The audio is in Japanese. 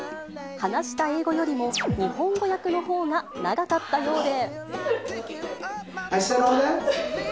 話した英語よりも、日本語訳のほうが長かったようで。